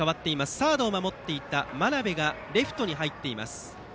サードを守っていた眞邉がレフトに入っています。